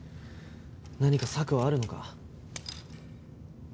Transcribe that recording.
何か策はあるのか？